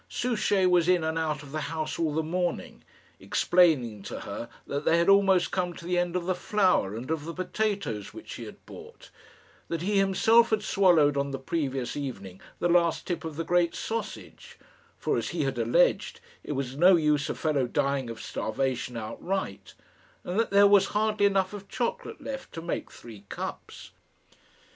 Souchey was in and out of the house all the morning, explaining to her that they had almost come to the end of the flour and of the potatoes which he had bought, that he himself had swallowed on the previous evening the last tip of the great sausage for, as he had alleged, it was no use a fellow dying of starvation outright and that there was hardly enough of chocolate left to make three cups.